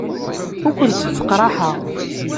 Ur kent-ttaqraḥeɣ.